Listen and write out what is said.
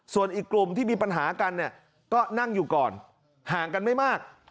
ส่วนอีกกลุ่มที่มีปัญหากันเนี่ยก็นั่งอยู่ก่อนห่างกันไม่มาก